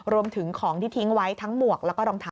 รวมถึงของที่ทิ้งไว้ทั้งหมวกแล้วก็รองเท้า